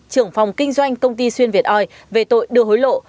trưởng phòng kinh doanh công ty xuyên việt oi về tội đưa hối lộ